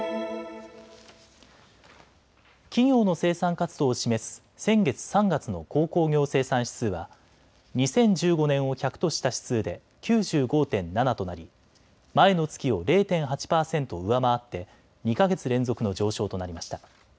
企業の生産活動を示す先月３月の鉱工業生産指数は２０１５年を１００とした指数で９５．７となり前の月を０．８％上回って２か月連続の上昇となりました。